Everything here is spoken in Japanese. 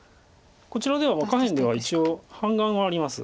こちらでは下辺では一応半眼はあります。